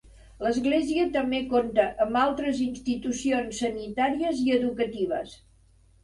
L'església també compta amb altres institucions sanitàries i educatives.